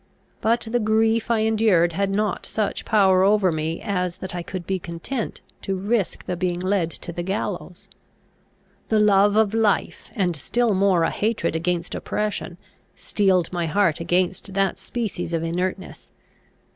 But the grief I endured had not such power over me as that I could be content to risk the being led to the gallows. The love of life, and still more a hatred against oppression, steeled my heart against that species of inertness.